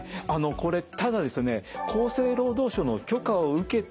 これただですね